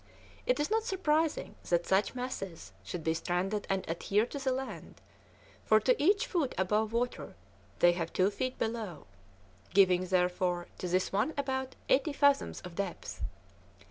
It is not surprising that such masses should be stranded and adhere to the land, for to each foot above water they have two feet below, giving, therefore, to this one about eighty fathoms of depth.